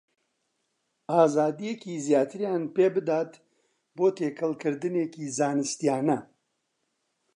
ئازادییەکی زیاتریان پێ بدات بۆ تێکەڵکردنێکی زانستییانە